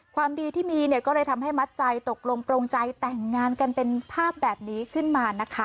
ความดีที่มีเนี่ยก็เลยทำให้มัดใจตกลงโปรงใจแต่งงานกันเป็นภาพแบบนี้ขึ้นมานะคะ